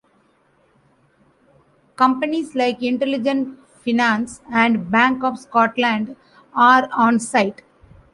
Companies like Intelligent Finance and Bank of Scotland are on site.